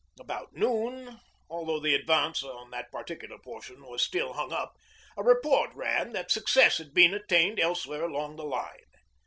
About noon, although the advance on that particular portion was still hung up, a report ran that success had been attained elsewhere along the line.